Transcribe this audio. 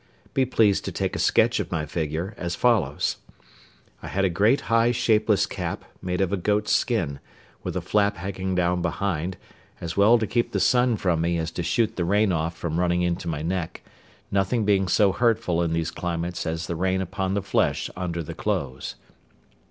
Be pleased to take a sketch of my figure, as follows. I had a great high shapeless cap, made of a goat's skin, with a flap hanging down behind, as well to keep the sun from me as to shoot the rain off from running into my neck, nothing being so hurtful in these climates as the rain upon the flesh under the clothes.